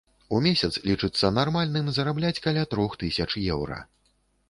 У месяц лічыцца нармальным зарабляць каля трох тысяч еўра.